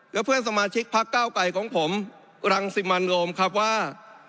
และเพื่อนสมาชิกพักเก้าไก่ของผมรังสิมันโรมครับว่า